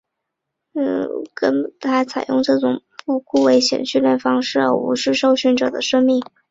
基洛沃格对抗迪根并指责他采用这种不顾危险的训练方式而无视受训者的生命。